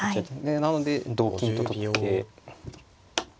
なので同金と取って。